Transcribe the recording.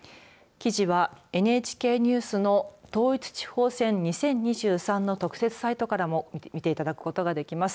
記事はＮＨＫニュースの統一地方選２０２３の特設サイトからも見ていただくことができます。